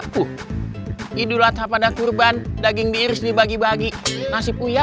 buat emak di kampung